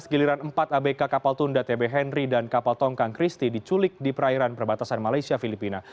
dua ribu enam belas giliran empat abk kapal tunda tb henry dan kapal tongkang christy diculik di perairan perbatasan malaysia filipina